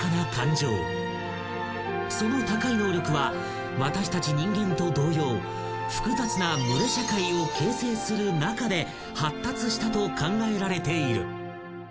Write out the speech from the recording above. ［その高い能力は私たち人間と同様複雑な群れ社会を形成する中で発達したと考えられている］